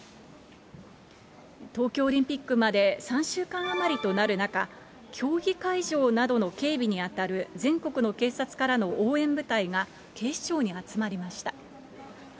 東京オリンピックまで３週間余りとなる中、競技会場などの警備に当たる、全国の警察からの応援部隊が、警視庁に集まりました。